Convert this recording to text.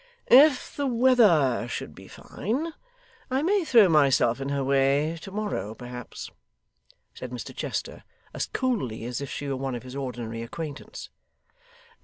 'If the weather should be fine, I may throw myself in her way to morrow, perhaps,' said Mr Chester, as coolly as if she were one of his ordinary acquaintance.